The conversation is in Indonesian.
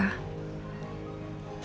lagi masak bareng